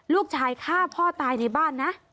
ลูกชายฆ่าพ่อตายในบ้านนะ